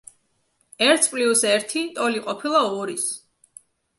ერთს პლიუს ერთი ტოლი ყოფილა ორის.